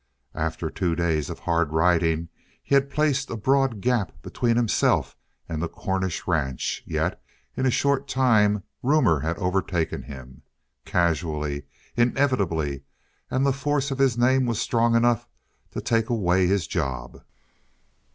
After two days of hard riding, he had placed a broad gap between himself and the Cornish ranch, yet in a short time rumor had overtaken him, casually, inevitably, and the force of his name was strong enough to take away his job.